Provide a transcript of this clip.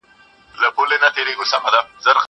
زه اوږده وخت ځواب ليکم!!